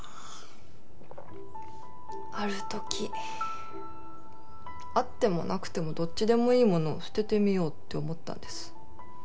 ある時あってもなくてもどっちでもいいものを捨ててみようって思ったんです。